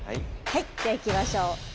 はいではいきましょう。